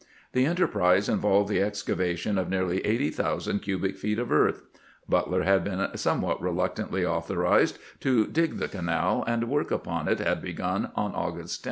The enterprise involved the excavation of nearly eighty thousand cubic feet of earth. Butler had been somewhat reluctantly authorized to dig the canal, and work upon it had been begun on August 10.